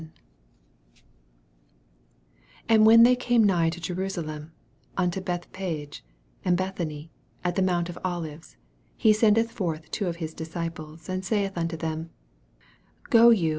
1 And when they came nigh to Je rusalem, untc Bethnhage and Beth any, at the mount of Olives, he senc 1 eth forth two of his disciples, 2 And saith unto them, Go you.